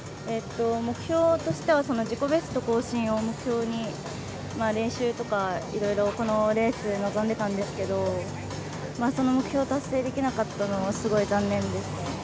目標としては自己ベスト更新を目標に練習とかいろいろこのレースに臨んでいたんですけどその目標を達成できなかったのはすごい残念です。